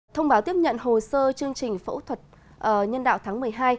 thông báo tiếp nhận hồ sơ chương trình phẫu thuật nhân đạo tháng một mươi hai